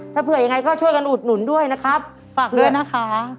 ถ้าเผื่อยังไงก็ช่วยกันอุดหนุนด้วยนะครับฝากด้วยนะคะ